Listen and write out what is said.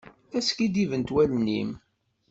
La skiddibent wallen-im.